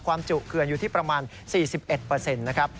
จุเขื่อนอยู่ที่ประมาณ๔๑นะครับ